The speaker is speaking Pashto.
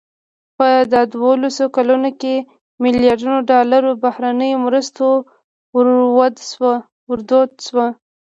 په دا دولسو کلونو کې ملیاردونو ډالرو بهرنیو مرستو ورود شو.